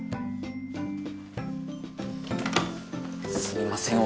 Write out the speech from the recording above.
すみません。